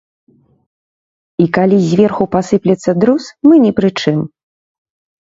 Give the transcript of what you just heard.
І калі зверху пасыплецца друз, мы ні пры чым.